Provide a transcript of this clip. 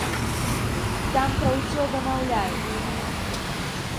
Там пра ўсё дамаўляюцца.